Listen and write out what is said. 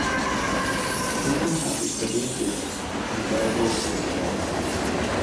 He may have studied with Sinibaldo Scorza.